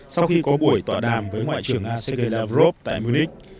sau khi có buổi tọa đàm với ngoại trưởng nga sergei lavrov tại munich